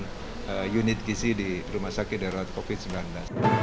dan juga dari teman teman unit gizi di rumah sakit darurat covid sembilan belas